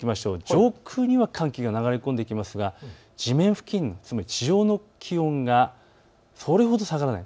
上空には寒気が流れ込んできますが地面付近、地上の気温がそれほど下がらない。